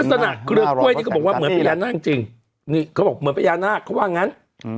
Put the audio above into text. เครือกล้วยนี่ก็บอกว่าเหมือนพญานาคจริงนี่เขาบอกเหมือนพญานาคเขาว่างั้น